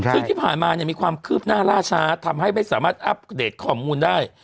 ซึ่งที่ผ่านมามีความคืบหน้าล่าช้าทำให้ไม่สามารถอัปเดตข้อมูลได้